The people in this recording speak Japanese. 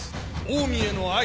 オウミへの愛。